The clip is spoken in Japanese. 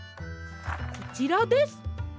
こちらです。